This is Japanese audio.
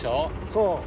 そう。